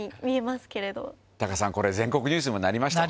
織気これ全国ニュースにもなりましたね。